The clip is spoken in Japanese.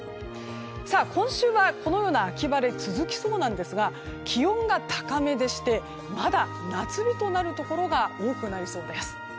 さあ、今週は、このような秋晴れ続きそうなんですが気温が高めでしてまだ夏日となるところが多くなりそうです。